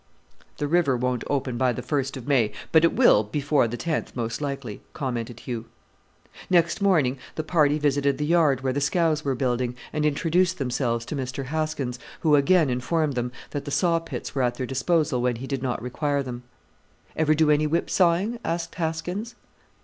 "The river won't open by the first of May, but it will before the tenth, most likely," commented Hugh. Next morning the party visited the yard where the scows were building, and introduced themselves to Mr. Haskins, who again informed them that the saw pits were at their disposal when he did not require them. "Ever do any whip sawing?" asked Haskins.